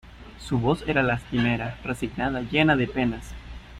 su voz era lastimera, resignada , llena de penas: